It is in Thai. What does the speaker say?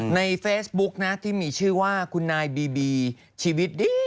ในเฟซบุ๊กนะที่มีชื่อว่าคุณนายบีบีชีวิตดี